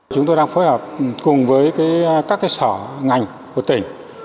chúng tôi đang phối hợp cùng với các sở ngành của tỉnh